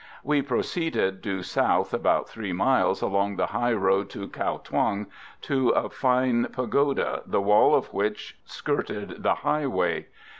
We proceeded due south about 3 miles along the high road to Cao Thuong to a fine pagoda, the wall of which skirted the highway.